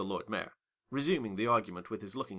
315 Lord Mayor, resuming the argument with his lookin '.